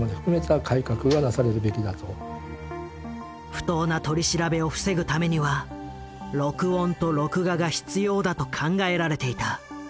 不当な取り調べを防ぐためには録音と録画が必要だと考えられていた。